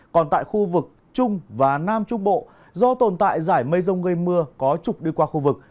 còn tại khu vực trung và nam trung bộ do tồn tại giải mây rông gây mưa có chục đi qua khu vực